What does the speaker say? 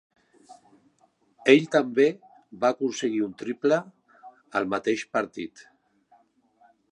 Ell també va aconseguir un triple al mateix partit.